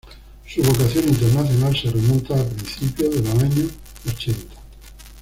Su vocación internacional se remonta a principios de los años ochenta.